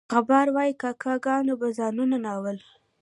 غبار وایي کاکه ګانو به ځانونه نالول.